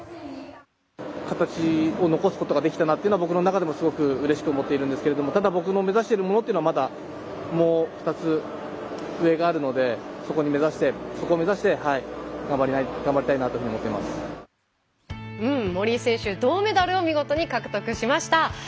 形を残すことができたなというのが僕の中でもすごくうれしく思っているんですけどもただ僕の目指しているものというのはもう２つ上があるのでそこを目指して、はい頑張りたいなというふうに森井選手銅メダルを見事に獲得しました。